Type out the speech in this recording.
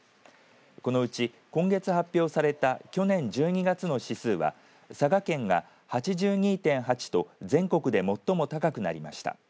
このうち今月発表された去年１２月の指数は佐賀県が８２．８と全国で最も高くなりました。